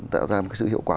tạo ra một sự hiệu quả